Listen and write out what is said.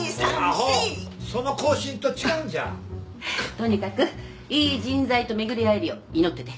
とにかくいい人材と巡り合えるよう祈ってて。